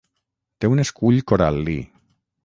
Té un escull coral·lí.